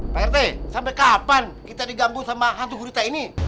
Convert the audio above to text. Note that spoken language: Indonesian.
pak rt sampai kapan kita digambut sama hantu hurita ini